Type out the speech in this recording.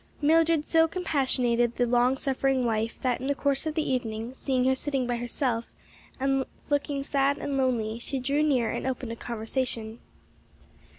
Mildred so compassionated the long suffering wife that, in the course of the evening, seeing her sitting by herself and looking sad and lonely, she drew near and opened a conversation.